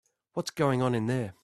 What's going on in there?